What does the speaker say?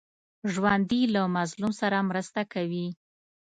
ژوندي له مظلوم سره مرسته کوي